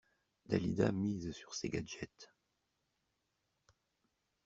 Dalida mise sur ces gadgets.